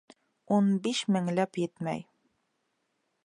Ун биш меңләп етмәй.